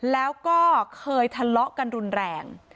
แล้วก็เคยทะเลาะกันรุนแรง